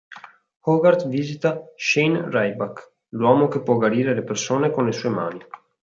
Hogarth visita Shane Ryback, l'uomo che può guarire le persone con le sue mani.